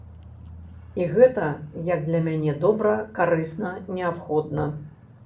І гэта, як для мяне, добра, карысна, неабходна.